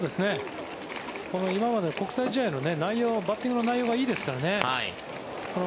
今まで国際試合のバッティングの内容がいいですからね。